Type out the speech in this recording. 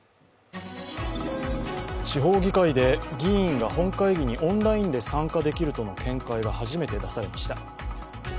地方議会で議員が本会議にオンラインで参加できるとの見解が初めて出されました。